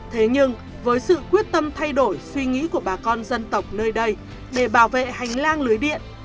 thế nhưng với sự quyết tâm thay đổi suy nghĩ của bà con dân tộc nơi đây để bảo vệ hành lang lưới điện